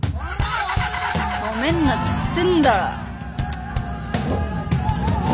もめんなっつってんだろ。